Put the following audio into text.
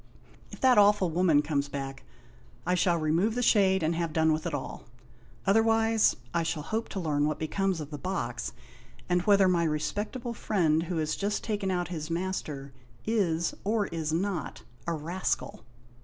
If that awful woman comes back I shall remove the shade and have done with it all. Otherwise, I shall hope to learn what becomes of the box, and whether my respectable friend who has just taken out his master is, or is not, a rascal."